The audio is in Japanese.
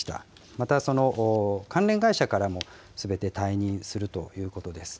また、関連会社からもすべて退任するということです。